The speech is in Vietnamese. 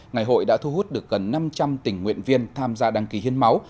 ngày hội đã thu hút được gần năm trăm linh tình nguyện viên tham gia đăng ký hiến máu